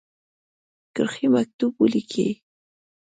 کرښې مکتوب ولیکی.